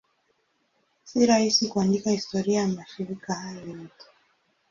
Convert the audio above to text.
Si rahisi kuandika historia ya mashirika hayo yote.